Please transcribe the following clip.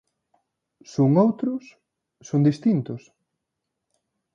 ¿Son outros?, ¿son distintos?